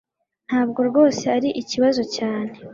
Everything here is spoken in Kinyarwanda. Ntabwo rwose ari ikibazo cyane